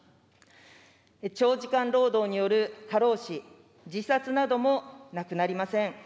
長時間労働による過労死、自殺などもなくなりません。